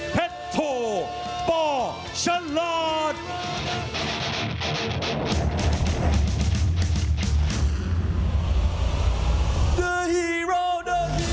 เพดโทบอร์ชันลอร์ด